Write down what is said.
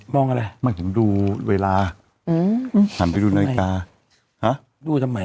อะไรมันถึงดูเวลาอืมหันไปดูนาฬิกาฮะดูทำไม